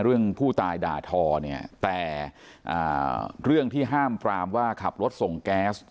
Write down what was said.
เรื่องผู้ตายด่าทอเนี่ยแต่เรื่องที่ห้ามปรามว่าขับรถส่งแก๊ส